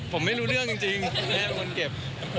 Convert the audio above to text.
ผมไม่รู้เรื่องจริงแม่เป็นคนเก็บ